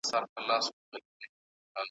ګل به نه یم دا منمه، د رقیب د سترګو خاریم .